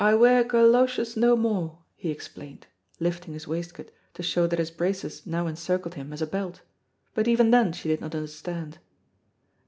"I wear gallowses no more," he explained, lifting his waistcoat to show that his braces now encircled him as a belt, but even then she did not understand.